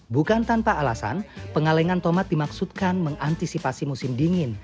bukan tanpa alasan pengalengan tomat dimaksudkan mengantisipasi musim dingin